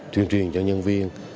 thuyền truyền cho nhân viên